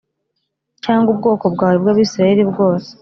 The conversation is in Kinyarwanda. cyangwa ubwoko bwawe bw’Abisirayeli bwose